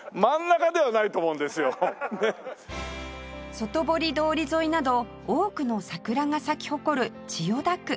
外堀通り沿いなど多くの桜が咲き誇る千代田区